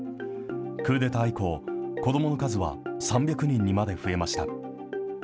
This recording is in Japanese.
クーデター以降、子どもの数は３００人にまで増えました。